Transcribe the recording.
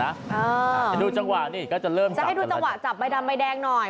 อ๋อให้ดูเจ้าศพจำไปดำไปแดงหน่อย